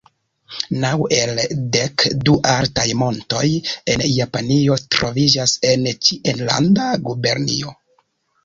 Naŭ el la dek du altaj montoj en Japanio troviĝas en ĉi enlanda gubernio.